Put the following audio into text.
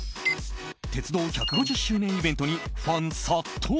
鉄道１５０周年イベントにファン殺到。